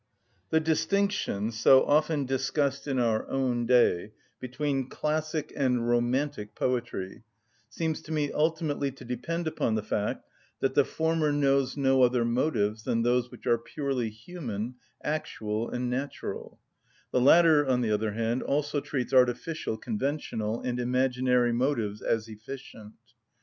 The distinction, so often discussed in our own day, between classic and romantic poetry seems to me ultimately to depend upon the fact that the former knows no other motives than those which are purely human, actual, and natural; the latter, on the other hand, also treats artificial conventional, and imaginary motives as efficient.